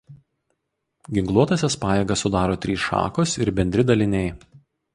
Ginkluotąsias pajėgas sudaro trys šakos ir bendri daliniai.